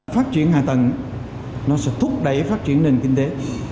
phát triển hạ tầng nó sẽ thúc đẩy phát triển nền kinh tế